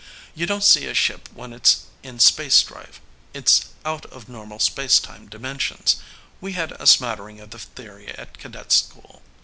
"You don't see a ship when it's in spacedrive. It's out of normal space time dimensions. We had a smattering of the theory at cadet school